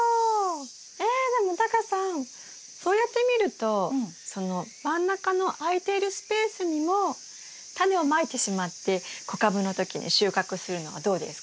えでもタカさんそうやって見るとその真ん中の空いているスペースにもタネをまいてしまって小株の時に収穫するのはどうですか？